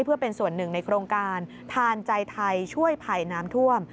เพื่อเป็นส่วนหนึ่งในโครงการทานใจไทยช่วยภัยน้ำท่วม